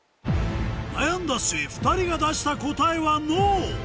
悩んだ末２人が出した答えは「Ｎｏ」